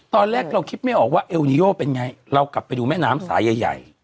ตอนแรกเราคิดไม่ออกว่าเอลนิโยเป็นไงเรากลับไปดูแม่น้ำสายใหญ่